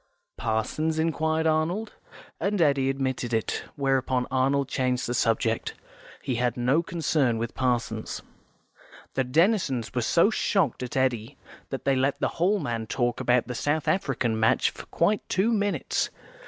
"Parsons?" inquired Arnold, and Eddy admitted it, where upon Arnold changed the subject; he had no concern with Parsons. The Denisons were so shocked at Eddy, that they let the Hall man talk about the South African match for quite two minutes.